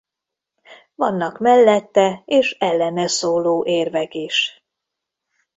Vannak mellette és ellene szóló érvek is.